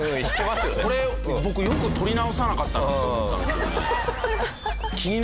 これ僕よく撮り直さなかったなって思ったんですよね。